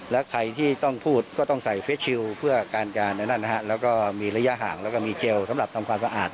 และใครที่ต้องพูดก็ต้องใส่เฟสชิลเพื่อการงานแล้วก็มีระยะห่างแล้วก็มีเจลสำหรับทำความสะอาด